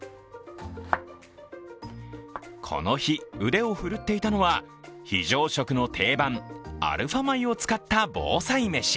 この日、腕を振るっていたのは非常食の定番、アルファ米を使った防災メシ。